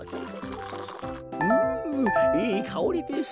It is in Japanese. うんいいかおりです。